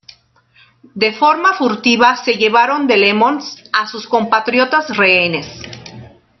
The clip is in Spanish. De forma furtiva se llevaron de Lemnos a sus compatriotas rehenes.